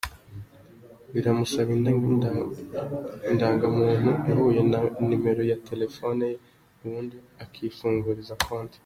Biramusaba indangamuntu ihuye na nimero ya telefoni ye, ubundi akifungurira konti.